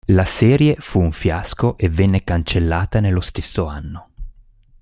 La serie fu un fiasco e venne cancellata nello stesso anno.